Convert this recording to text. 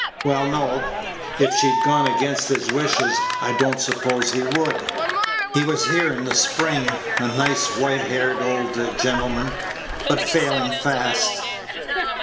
"Well, no; if she'd gone against his wishes, I don't suppose he would. He was here in the spring a nice, white haired old gentleman, but failing fast."